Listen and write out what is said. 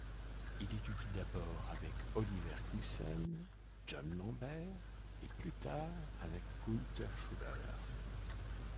Il étudie d'abord avec Oliver Knussen, John Lambert et plus tard avec Gunther Schuller.